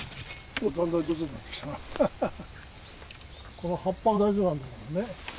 この葉っぱが大事なんだよねっ。